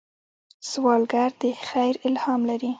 سوالګر د خیر الهام لري